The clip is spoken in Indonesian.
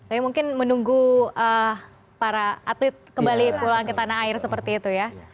tapi mungkin menunggu para atlet kembali pulang ke tanah air seperti itu ya